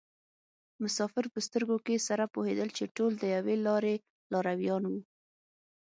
مسافر په سترګو کې سره پوهېدل چې ټول د یوې لارې لارویان وو.